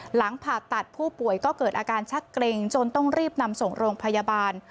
หลังผ่าตัดผู้ป่วยก็เกิดอาการชักเกร็งจนต้องรีบนำส่งโรงพยาบาล